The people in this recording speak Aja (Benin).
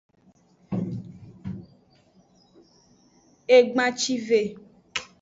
Egbancive.